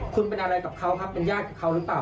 คุณเป็นอะไรกับเขาครับเป็นญาติกับเขาหรือเปล่า